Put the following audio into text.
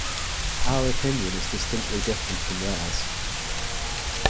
Our opinion is distinctly different from theirs.